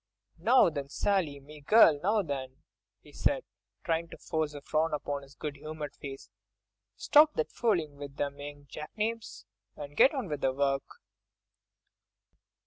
"Now then, Sally, me girl, now then!" he said, trying to force a frown upon his good humoured face, "stop that fooling with them young jackanapes and get on with the work."